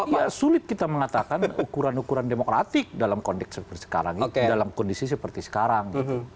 ya sulit kita mengatakan ukuran ukuran demokratik dalam kondisi seperti sekarang